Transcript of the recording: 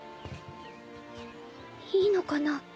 いいのかな？